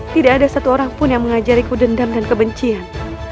tidak ada satu orang pun yang mengajari ku dendam dan kebencian